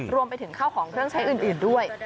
รวมไปถึงข้าวของเครื่องใช้อื่นด้วย